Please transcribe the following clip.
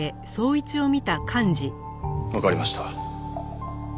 わかりました。